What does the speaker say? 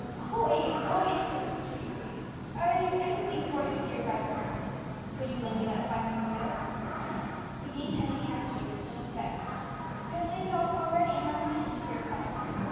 "Always! always!" cried his sister eagerly; "I would do anything for you, dear Vibert." "Will you lend me that five pound note?" Again Emmie hesitated and looked vexed. "I had laid it all out already in my mind," she replied.